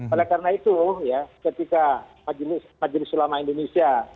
oleh karena itu ya ketika majelis ulama indonesia